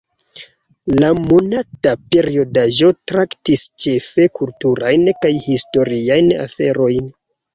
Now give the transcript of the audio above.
La monata periodaĵo traktis ĉefe kulturajn kaj historiajn aferojn.